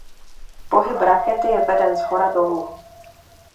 Pohyb rakety je veden shora dolů.